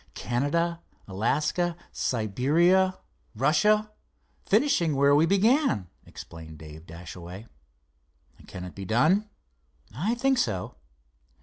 "Canada, Alaska, Siberia, Russia—finishing where we began," explained Dave Dashaway. "Can it be done?" "I think so."